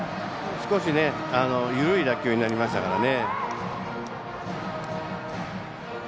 少し緩い打球になりましたからね。